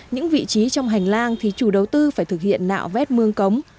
những vị trí trong hành lang thì chủ đầu tư phải thực hiện nạo vét mương cống